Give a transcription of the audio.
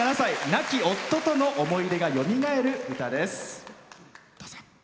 亡き夫との思い出がよみがえる歌です。